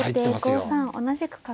後手５三同じく角。